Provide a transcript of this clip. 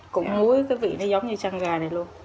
cũng múi cái vị nó giống như trăng gà này luôn